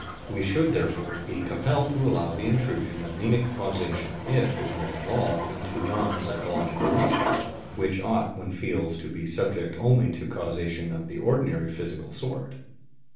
We should, therefore, be compelled to allow the intrusion of mnemic causation, if admitted at all, into non psychological regions, which ought, one feels, to be subject only to causation of the ordinary physical sort.